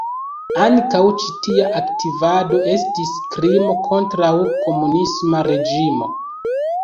Ankaŭ ĉi tia aktivado estis krimo kontraŭ komunisma reĝimo.